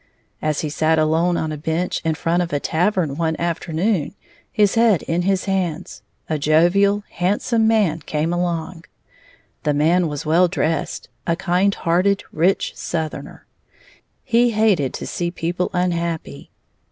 As he sat alone on a bench in front of a tavern one afternoon, his head in his hands, a jovial, handsome man came along. The man was well dressed, a kind hearted, rich Southerner. He hated to see people unhappy.